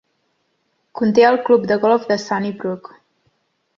Conté el Club de Golf de Sunnybrook.